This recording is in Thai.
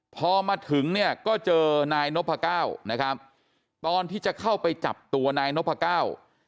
พอมาถึงเนี่ยก็เจอนายนพก้าวนะครับตอนที่จะเข้าไปจับตัวนายนพก้าว